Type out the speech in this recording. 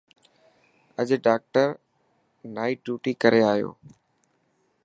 اڄ ڊاڪٽر نائٽ ڊيوٽي ڪري آيو.